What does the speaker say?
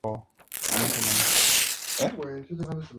Eric Idle fue la estrella invitada, interpretando a Declan Desmond.